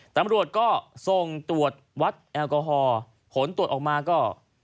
ตำรวจก็ส่งตรวจวัดแอลกอฮอล์ผลตรวจออกมาก็